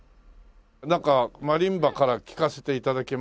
なんかマリンバから聴かせて頂けますかね。